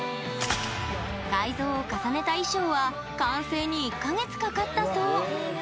改造を重ねた衣装は完成に１か月かかったそう。